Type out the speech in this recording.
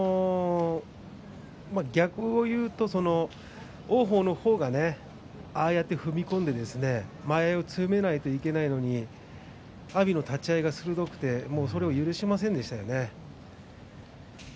逆を言うと王鵬の方が踏み込んで前四つ詰めないといけないのに阿炎の立ち合いが鋭くてそれを許しませんでしたよね。